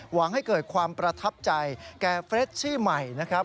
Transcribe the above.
หวังให้เกิดความประทับใจแก่เฟรชชี่ใหม่นะครับ